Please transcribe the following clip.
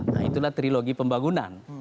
nah itulah trilogi pembangunan